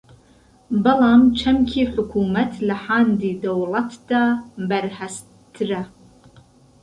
بەڵام چەمکی حکوومەت لە حاندی دەوڵەتدا بەرھەستتر